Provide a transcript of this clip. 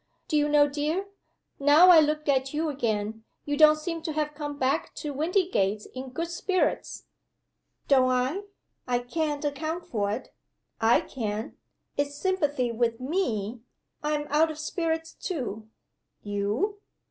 Do you know dear, now I look at you again, you don't seem to have come back to Windygates in good spirits." "Don't I? I can't account for it." "I can. It's sympathy with Me. I am out of spirits too." "You!"